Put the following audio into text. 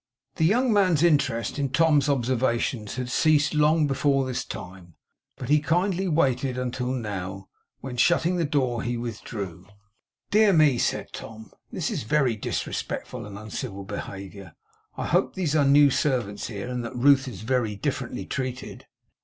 The young man's interest in Tom's observations had ceased long before this time, but he kindly waited until now; when, shutting the door, he withdrew. 'Dear me!' said Tom. 'This is very disrespectful and uncivil behaviour. I hope these are new servants here, and that Ruth is very differently treated.